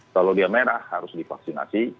kalau dia merah harus divaksinasi